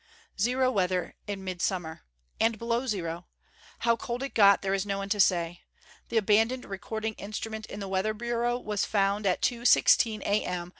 Zero weather in midsummer! And below zero! How cold it got, there is no one to say. The abandoned recording instrument in the Weather Bureau was found, at 2:16 A.M.